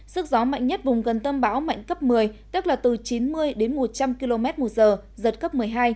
sức gió mạnh nhất vùng gần tâm bão mạnh cấp một mươi tức là từ chín mươi đến một trăm linh km một giờ giật cấp một mươi hai